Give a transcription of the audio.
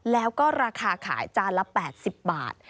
แล้วก็ราคาขายจานละ๘๐บาท